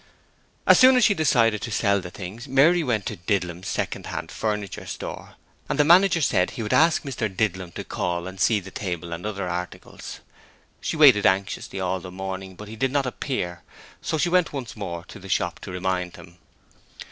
As soon as she decided to sell the things, Mary went to Didlum's second hand furniture store, and the manager said he would ask Mr Didlum to call and see the table and other articles. She waited anxiously all the morning, but he did not appear, so she went once more to the shop to remind him.